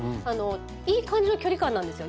いい感じの距離感なんですよ